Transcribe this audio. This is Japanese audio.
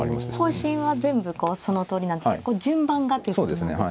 方針は全部そのとおりなんですけど順番がっていうことなんですね。